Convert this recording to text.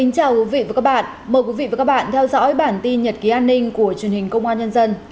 chào mừng quý vị đến với bản tin nhật ký an ninh của truyền hình công an nhân dân